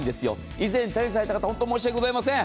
以前、手にされた方、本当に申し訳ございません！